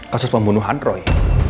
kasus pembunuhan roy